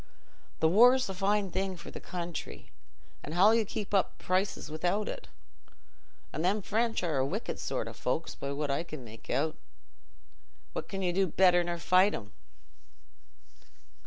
Th' war's a fine thing for the country, an' how'll you keep up prices wi'out it? An' them French are a wicked sort o' folks, by what I can make out. What can you do better nor fight 'em?"